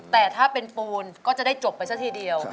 แต่ถ้าเป็นปูนก็จะได้จบไปซะทีเดียว